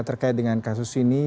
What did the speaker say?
terkait dengan kasus ini